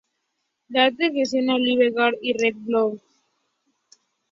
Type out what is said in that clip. Darden gestiona Olive Garden y Red Lobster.